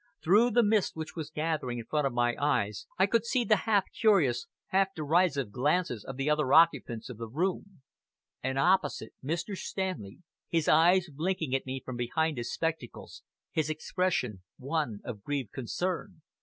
Through the mist which was gathering in front of my eyes, I could see the half curious, half derisive glances of the other occupants of the room; and opposite, Mr. Stanley, his eyes blinking at me from behind his spectacles, his expression one of grieved concern.